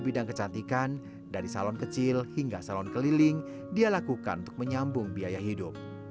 bidang kecantikan dari salon kecil hingga salon keliling dia lakukan untuk menyambung biaya hidup